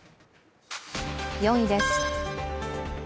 ４位です。